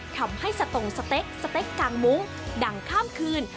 ทำให้สตงสเต็กสเต็กกางมุ้งดังข้ามคืน